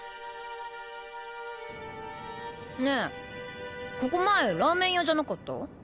ねえここ前ラーメン屋じゃなかった？